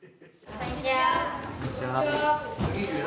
こんにちは。